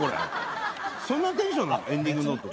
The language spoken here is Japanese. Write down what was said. そんなテンションなの？